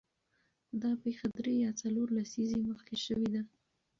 دا پېښه درې یا څلور لسیزې مخکې شوې وه.